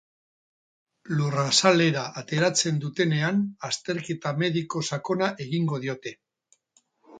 Lurrazalera ateratzen dutenean azterketa mediko sakona egingo diote.